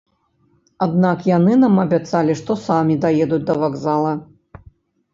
Аднак яны нам абяцалі, што самі даедуць да вакзала.